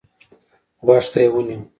غوږ ته يې ونيو.